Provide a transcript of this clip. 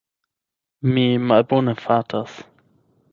Mi malbone fartas.